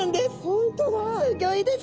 本当だ！